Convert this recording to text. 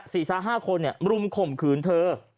ศรีซ้า๕คนรุมข่มขืนเธอ